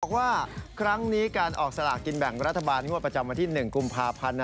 บอกว่าครั้งนี้การออกสลากินแบ่งรัฐบาลงวดประจำวันที่๑กุมภาพันธ์